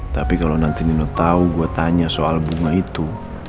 tapi kalau nanti nino tahu gue tanya soal bunga itu